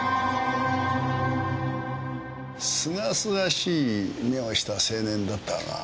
すがすがしい目をした青年だったがなあ。